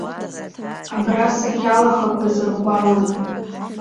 Абра сахьалахақәаз ргәалоуп.